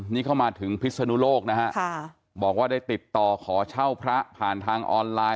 นี่เข้ามาถึงพิศนุโลกนะฮะบอกว่าได้ติดต่อขอเช่าพระผ่านทางออนไลน์